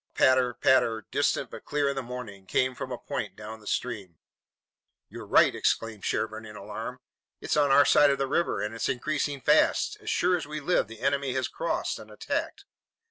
A patter, patter, distant but clear in the morning, came from a point down the stream. "You're right!" exclaimed Sherburne in alarm. "It's on our side of the river and it's increasing fast! As sure as we live, the enemy has crossed and attacked!"